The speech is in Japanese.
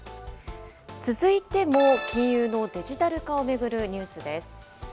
続いても金融のデジタル化を巡るニュースです。